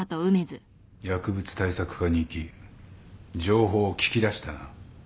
薬物対策課に行き情報を聞き出したな。